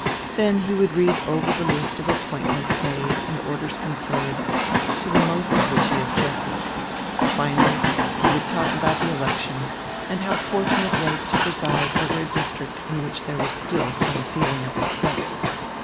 Then he would read over the list of appointments made and orders conferred, to the most of which he objected. Finally he would talk about the election and how fortunate it was to preside over a district in which there was still some feeling of respect.